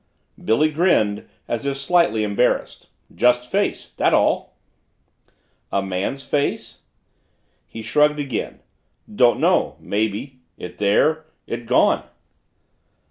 Billy grinned, as if slightly embarrassed. "Just face that's all." "A man's face?" He shrugged again. "Don't know maybe. It there! It gone!"